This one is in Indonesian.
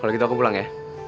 kalau gitu aku pulang ya